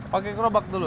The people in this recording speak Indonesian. pakai gerobak dulu